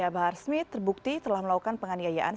bahar smith terbukti telah melakukan penganiayaan